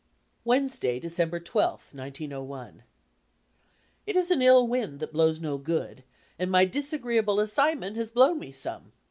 Wednesday, December 12, 1901 It is an ill wind that blows no good and my disagreeable assignment has blown me some.